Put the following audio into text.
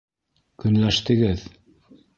Көнләштегеҙ!